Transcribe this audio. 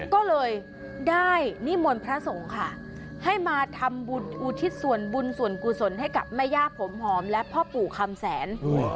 ก็เลยได้นิมนต์พระสงฆ์ค่ะให้มาทำบุญอุทิศส่วนบุญส่วนกุศลให้กับแม่ย่าผมหอมและพ่อปู่คำแสน